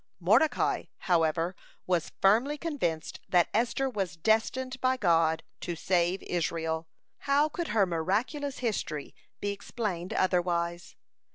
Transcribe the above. Mordecai, however, was firmly convinced that Esther was destined by God to save Israel. How could her miraculous history be explained otherwise?